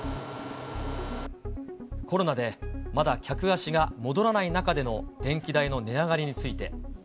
コロナで、まだ客足が戻らない中での電気代の値上がりについて。